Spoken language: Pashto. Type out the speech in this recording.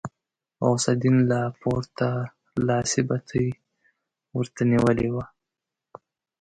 غوث الدين له پورته لاسي بتۍ ورته نيولې وه.